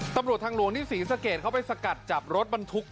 ตำรวจทางหลวงที่ศรีสะเกดเข้าไปสกัดจับรถบรรทุก